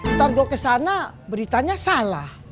ntar gua kesana beritanya salah